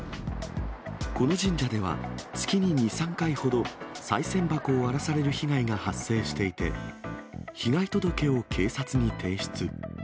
この神社では月に２、３回ほど、さい銭箱を荒らされる被害が発生していて、被害届を警察に提出。